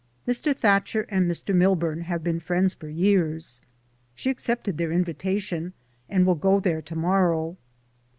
Mr. That cher and Mr. Milburn have been friends for years. She accepted their invitation and will go there to morrow.